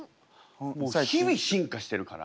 もう日々進化してるから。